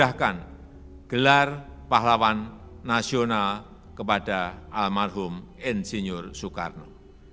adalah pahlawan nasional kepada almarhum insinyur soekarno